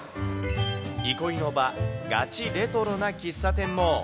憩いの場、ガチレトロな喫茶店も。